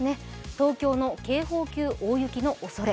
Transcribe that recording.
東京の警報級大雪のおそれ。